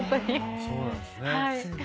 そうなんですね。